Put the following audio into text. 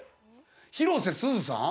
広瀬すずさん？